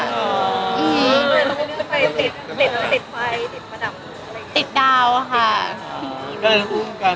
ติดดาวค่ะ